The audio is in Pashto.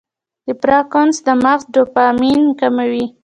د پارکنسن د مغز ډوپامین کموي.